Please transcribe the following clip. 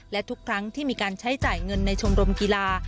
และทุกครั้งที่มีการใช้จ่ายเงินในชมรมกีฬา